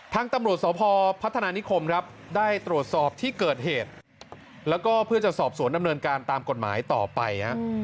ทางตำรวจสพพัฒนานิคมครับได้ตรวจสอบที่เกิดเหตุแล้วก็เพื่อจะสอบสวนดำเนินการตามกฎหมายต่อไป